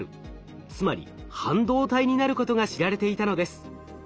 つまり半導体になることが知られていたのです。